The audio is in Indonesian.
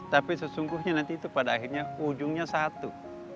tapi sesungguhnya nanti itu pada akhirnya ujungnya satu